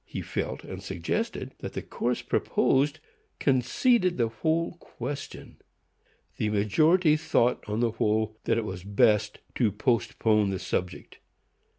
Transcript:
He felt and suggested that the course proposed conceded the whole question. The majority thought, on the whole, that it was best to postpone the subject.